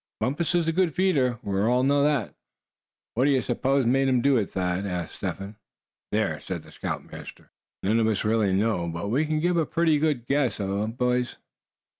Bumpus is a good feeder, we all know." "What d'ye suppose made him do it, Thad?" asked Step Hen. "There," said the scoutmaster, "that's the question. None of us really know; but we can give a pretty good guess, eh, boys?"